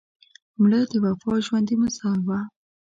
مړه د وفا ژوندي مثال وه